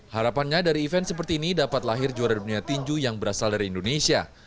harapannya dari event seperti ini dapat lahir juara dunia tinju yang berasal dari indonesia